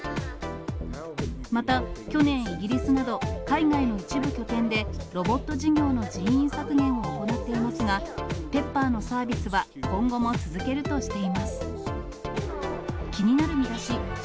また去年、イギリスなど、海外の一部拠点で、ロボット事業の人員削減を行っていますが、Ｐｅｐｐｅｒのサービスは今後も続けるとしています。